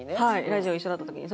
ラジオ一緒だった時に。